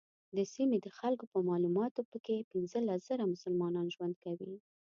د سیمې د خلکو په معلوماتو په کې پنځلس زره مسلمانان ژوند کوي.